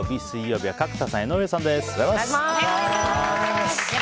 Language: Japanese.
本日水曜日、水曜日は角田さん、江上さんです。